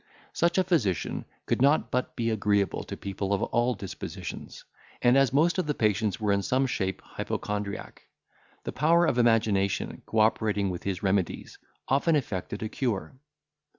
Such a physician could not but be agreeable to people of all dispositions; and, as most of the patients were in some shape hypochondriac, the power of imagination, co operating with his remedies, often effected a cure.